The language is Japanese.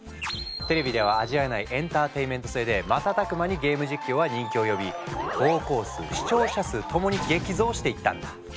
テレビでは味わえないエンターテインメント性で瞬く間にゲーム実況は人気を呼び投稿数視聴者数ともに激増していったんだ。